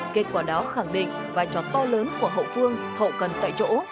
kết quả đó khẳng định vai trò to lớn của hậu phương hậu cần tại chỗ